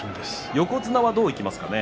横綱は、どういきますかね。